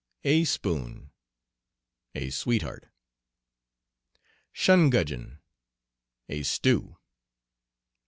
"A spoon." A sweetheart. "Shungudgeon." A stew.